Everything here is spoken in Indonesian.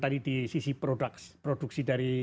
di sisi produksi dari